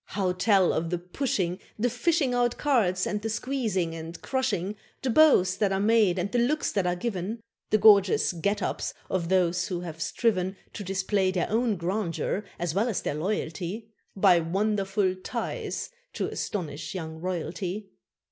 How tell of the pushing, The fishing out cards, and the squeezing and crushing, The bows that are made and the looks that are given, The gorgeous "get ups" of those who have striven To display their own grandeur as well as their loyalty, By wonderful ties to astonish young royalty!